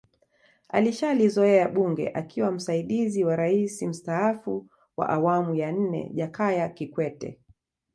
Alishalizoea bunge akiwa msaidizi wa raisi mstaafu wa awamu ya nne Jakaya Kikwete